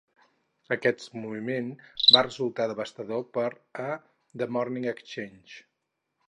Aquest moviment va resultar devastador per a "The Morning Exchange".